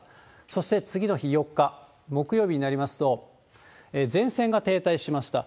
そして次の日、４日木曜日になりますと、前線が停滞しました。